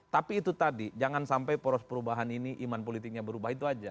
tapi itu tadi jangan sampai poros perubahan ini iman politiknya berubah itu aja